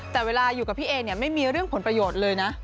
แต่เวลาอยู่กับพี่เอเนี่ยไม่มีเรื่องผลประโยชน์เลยนะ